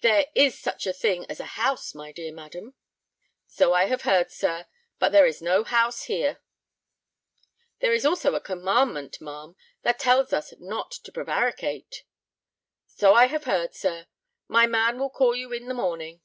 "There is such a thing as a house, my dear madam." "So I have heard, sir; but there is no house here." "There is also a commandment, ma'am, that tells us not to prevaricate." "So I have heard, sir. My man will call you in the morning."